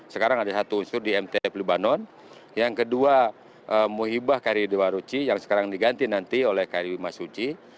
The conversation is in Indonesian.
sekarang ada satu unsur di mtf libanon yang kedua muhibah karyu dewaruchi yang sekarang diganti nanti oleh karyu masuji